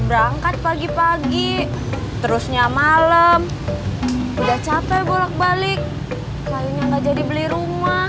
berangkat pagi pagi terusnya malam udah capek bolak balik kayaknya nggak jadi beli rumah